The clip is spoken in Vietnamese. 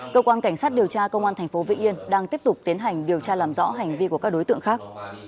cơ quan cảnh sát điều tra công an tp vĩnh yên đang tiếp tục tiến hành điều tra làm rõ hành vi của các đối tượng khác